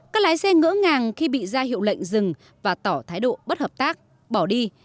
các lái xe ngỡ ngàng khi bị ra hiệu lệnh dừng và tỏ thái độ bất hợp tác bỏ đi